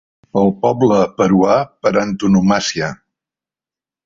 El poble peruà per antonomàsia.